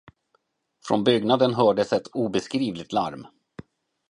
Från byggnaden hördes ett obeskrivligt larm.